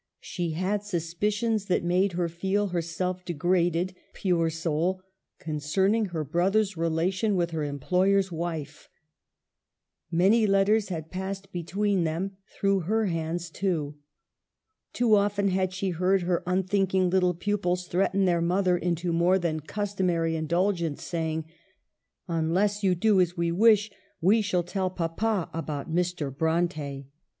She had suspicions that made her feel herself degraded, pure soul, concerning her brother's relation with her employer's wife. Many letters had passed between them, through her hands too. Too often had she heard her unthinking little pupils threaten their mother into more than customary indulgence, saying :" Unless you do as we wish, we shall tell papa about Mr. Bronte."